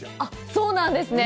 そうなんですね。